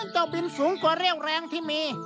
เจ้าบินสูงกว่าเรี่ยวแรงที่มี